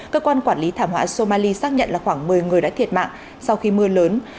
cơ quan quản lý thảm họa somali xác nhận là khoảng một mươi người đã thiệt mạng sau khi mưa lớn